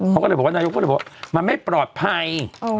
เขาก็เลยบอกว่านายกก็เลยบอกว่ามันไม่ปลอดภัย